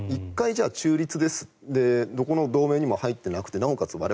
１回中立ですどこの同盟にも入っていなくてなおかつ